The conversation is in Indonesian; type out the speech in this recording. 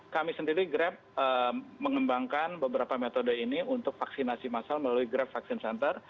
kami sendiri grab mengembangkan beberapa metode ini untuk vaksinasi masal melalui grab vaksin center